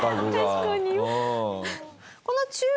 確かに。